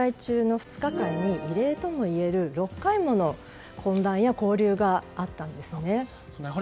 そして、滞在中の２日間に異例ともいえる６回もの懇談や交流があったんですね。